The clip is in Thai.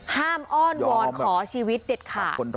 อ้อนวอนขอชีวิตเด็ดขาด